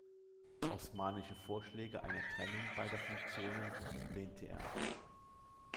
Osmanische Vorschläge einer Trennung beider Funktionen lehnte er ab.